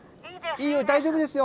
いいよ大丈夫ですよ。